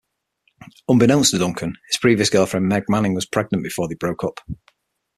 Unbeknownst to Duncan, his previous girlfriend Meg Manning was pregnant before they broke up.